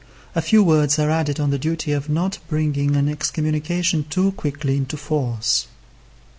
A few words are added on the duty of not bringing an excommunication too quickly into force.